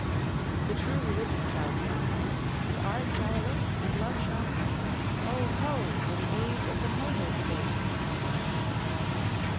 The True Religion shall leisure bring; And Art shall awaken and Love shall sing: Oh, ho! for the age of the motored thing!